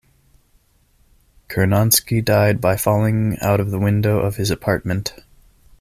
Curnonsky died by falling out of the window of his apartment.